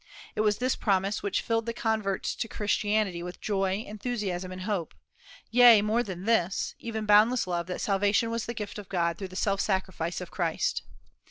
It was this promise which filled the converts to Christianity with joy, enthusiasm, and hope, yea, more than this, even boundless love that salvation was the gift of God through the self sacrifice of Christ.